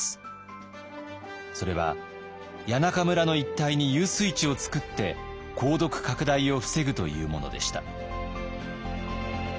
それは谷中村の一帯に遊水池を作って鉱毒拡大を防ぐというものでした。